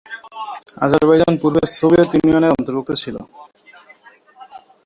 Azerbaijan পূর্বে Soviet Union এর অন্তর্ভুক্ত ছিল।